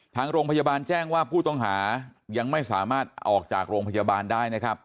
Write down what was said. ทางโรงพยาบาลแจ้งว่าผู้ต้องหายังไม่สามารถออกจากโรงพยาบาลได้นะครับ